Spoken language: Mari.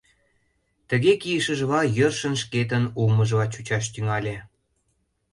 Тыге кийышыжла, йӧршын шкетын улмыжла чучаш тӱҥале.